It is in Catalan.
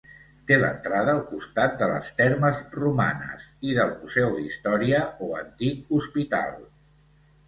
Té l'entrada al costat de les Termes Romanes i del Museu d'Història o Antic Hospital.